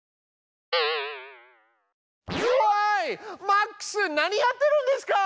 マックス何やってるんですか！